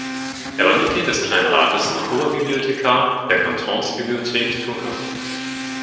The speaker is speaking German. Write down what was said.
Er war Mitglied des Kleinen Rates und Oberbibliothekar der Kantonsbibliothek Thurgau.